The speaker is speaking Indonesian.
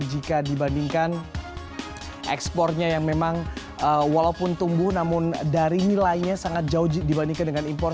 jika dibandingkan ekspornya yang memang walaupun tumbuh namun dari nilainya sangat jauh dibandingkan dengan impor